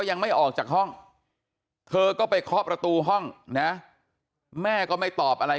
ยังไม่ออกจากห้องเธอก็ไปเคาะประตูห้องนะแม่ก็ไม่ตอบอะไร